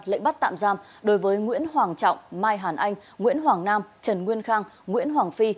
lệnh bắt tạm giam đối với nguyễn hoàng trọng mai hàn anh nguyễn hoàng nam trần nguyên khang nguyễn hoàng phi